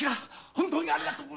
本当にありがとう。